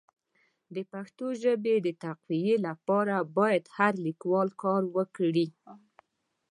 د پښتو ژبي د تقويي لپاره باید هر لیکوال کار وکړي.